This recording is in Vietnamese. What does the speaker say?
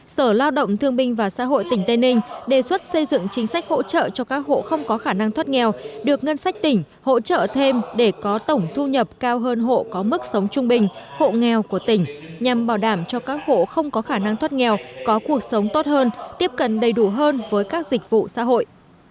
sở lao động thương binh và xã hội tỉnh tây ninh đề xuất xây dựng chính sách hỗ trợ cho các hộ không có khả năng thoát nghèo được ngân sách tỉnh hỗ trợ thêm để có tổng thu nhập cao hơn hộ có mức sống trung bình hộ nghèo của tỉnh nhằm bảo đảm cho các hộ không có khả năng thoát nghèo có cuộc sống tốt hơn tiếp cận đầy đủ hơn với các dịch vụ xã hội